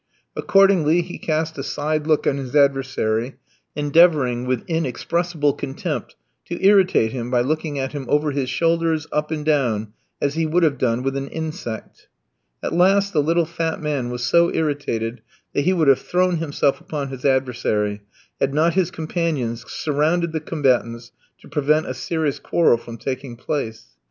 Accordingly, he cast a side look on his adversary, endeavouring, with inexpressible contempt, to irritate him by looking at him over his shoulders, up and down, as he would have done with an insect. At last the little fat man was so irritated that he would have thrown himself upon his adversary had not his companions surrounded the combatants to prevent a serious quarrel from taking place.